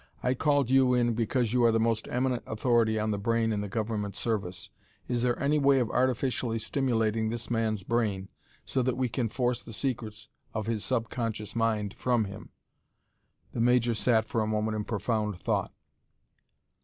I called you in because you are the most eminent authority on the brain in the government service. Is there any way of artificially stimulating this man's brain so that we can force the secrets of his subconscious mind from him?" The major sat for a moment in profound thought.